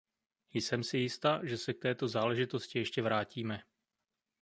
Jsem si jista, že se k této záležitosti ještě vrátíme.